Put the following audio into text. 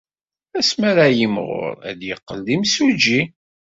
Asmi ara yimɣur, ad yeqqel d imsujji.